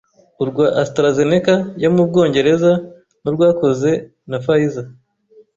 urwa AstraZeneca yo mu Bwongereza n’urwakozwe na Pfizer